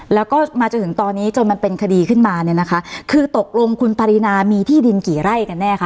แล้วก็มาจนถึงตอนนี้จนมันเป็นคดีขึ้นมาเนี่ยนะคะคือตกลงคุณปรินามีที่ดินกี่ไร่กันแน่คะ